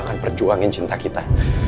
akan perjuangin cinta kita